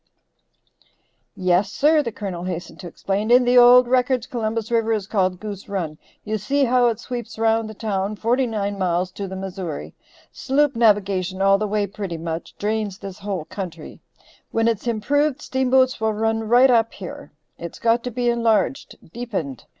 "Yes, sir," the Colonel hastened to explain, "in the old records Columbus River is called Goose Run. You see how it sweeps round the town forty nine miles to the Missouri; sloop navigation all the way pretty much drains this whole country; when it's improved steamboats will run right up here. It's got to be enlarged, deepened.